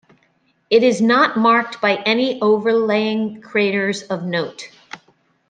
It is not marked by any overlying craters of note.